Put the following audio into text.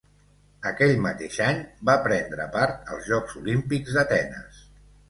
Aquell mateix any va prendre part als Jocs Olímpics d'Atenes.